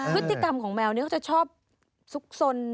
พฤติกรรมของแมวนี้เขาจะชอบซุกสน